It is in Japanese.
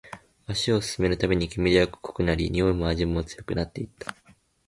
足を進めるたびに、煙は濃くなり、においも味も強くなっていった